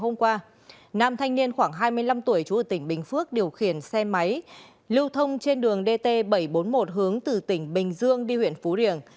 hôm qua nam thanh niên khoảng hai mươi năm tuổi chú ở tỉnh bình phước điều khiển xe máy lưu thông trên đường dt bảy trăm bốn mươi một hướng từ tỉnh bình dương đi huyện phú riềng